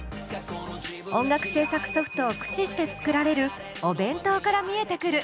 音楽制作ソフトを駆使して作られるお弁当から見えてくる